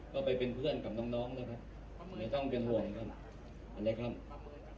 ก็ไปเป็นเพื่อนกับน้องนะครับไม่ต้องเป็นห่วงครับอะไรครับ